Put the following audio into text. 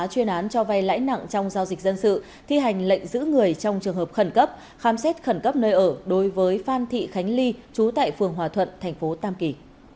chuyên án cho vay lãi nặng trong giao dịch dân sự thi hành lệnh giữ người trong trường hợp khẩn cấp khám xét khẩn cấp nơi ở đối với phan thị khánh ly trú tại phường hòa thuận thành phố tam kỳ